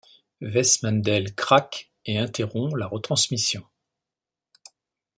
Wes Mendell craque et interrompt la retransmission.